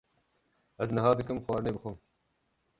Ez niha dikim xwarinê bixwim.